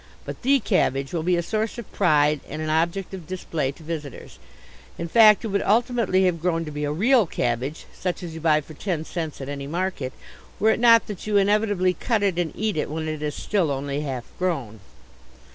But the cabbage will be a source of pride and an object of display to visitors; in fact it would ultimately have grown to be a real cabbage, such as you buy for ten cents at any market, were it not that you inevitably cut it and eat it when it is still only half grown.